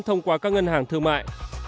thông qua các ngân hàng thương mại